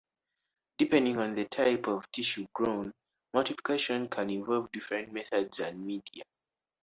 Depending on the type of tissue grown, multiplication can involve different methods and media.